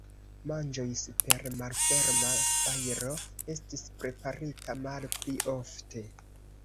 Manĝoj super malferma fajro estis preparita malpli ofte.